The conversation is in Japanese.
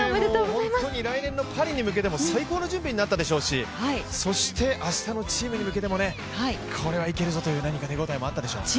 来年のパリに向けても最高の準備になったでしょうしそして明日のチームに向けても、これはいけるぞという手応えもあったでしょうね。